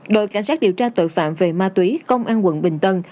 đội cảnh sát điều tra tội phạm về ma túy công an quận bình tân